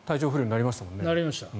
なりました。